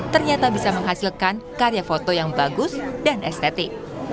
ternyata bisa menghasilkan karya foto yang bagus dan estetik